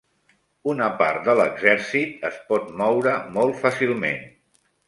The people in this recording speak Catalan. Una part de l'exèrcit es pot moure molt fàcilment.